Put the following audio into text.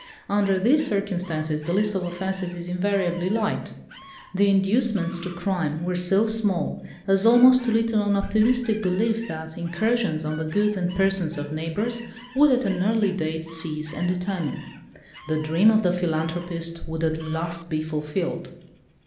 Under these circumstances the list of offences is invariably light. The inducements to crime were so small, as almost to lead to an optimistic belief that incursions on the goods and persons of neighbours would at an early date cease and determine. The dream of the philanthropist would at last be fulfilled.